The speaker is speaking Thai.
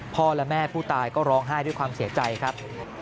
และแม่ผู้ตายก็ร้องไห้ด้วยความเสียใจครับ